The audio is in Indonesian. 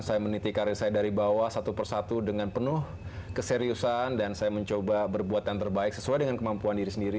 saya meniti karir saya dari bawah satu persatu dengan penuh keseriusan dan saya mencoba berbuat yang terbaik sesuai dengan kemampuan diri sendiri